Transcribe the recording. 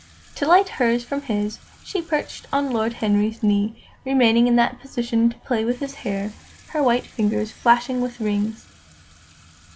To light hers from his, she perched on Lord Henry's knee, remaining in that position to play with his hair, her white fingers flashing with rings.